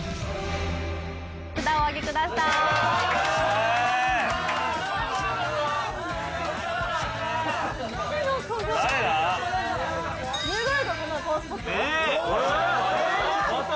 札をお上げください誰だ？